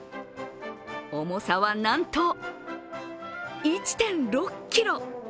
重さはなんと１．６ｋｇ。